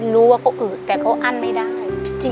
รู้ว่าเขาอึดแต่เขาอั้นไม่ได้